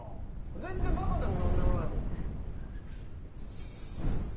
全然バカでも何でもないもん。